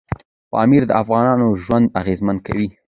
پامیر د افغانانو ژوند اغېزمن کوي.